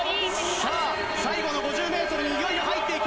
さあ、最後の５０メートルにいよいよ入っていく。